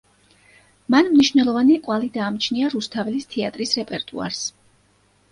მან მნიშვნელოვანი კვალი დაამჩნია რუსთაველის თეატრის რეპერტუარს.